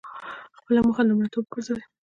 خپله موخه لومړیتوب وګرځوئ.